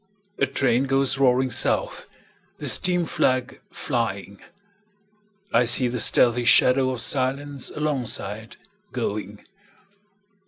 A train goes roaring south, The steam flag flying;I see the stealthy shadow of silenceAlongside going.